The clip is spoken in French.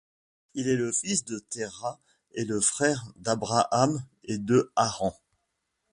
Il est le fils de Terah et le frère d'Abraham et de Haran.